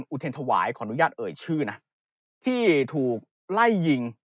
อุเทรนธวายขออนุญาตเอ่ยชื่อนะที่ถูกไล่ยิง